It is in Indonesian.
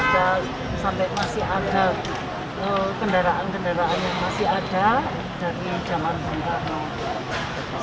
dan sampai masih ada kendaraan kendaraan yang masih ada dari zaman bung karno